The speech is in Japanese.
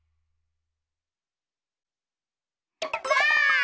ばあっ！